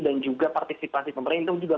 dan juga partisipasi pemerintah itu juga